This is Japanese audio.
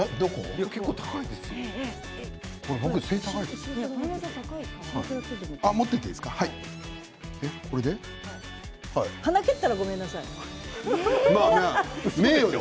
僕、結構、背が高いですよ。